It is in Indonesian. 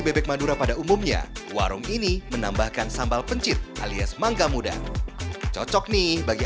bebek madura pada umumnya warung ini menambahkan sambal pencit alias mangga muda cocok nih bagi